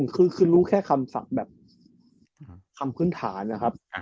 คือรู้แค่คำสั่งแบบคำพื้นฐานนะครับ